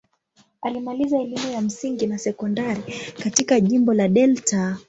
Alimaliza elimu ya msingi na sekondari katika jimbo la Delta.